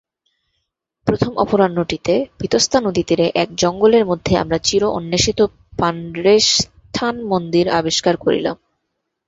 প্রথম অপরাহ্নটিতে বিতস্তা নদীতীরে এক জঙ্গলের মধ্যে আমরা চির-অন্বেষিত পাণ্ড্রেন্থান মন্দির আবিষ্কার করিলাম।